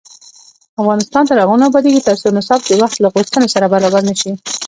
افغانستان تر هغو نه ابادیږي، ترڅو نصاب د وخت له غوښتنو سره برابر نشي.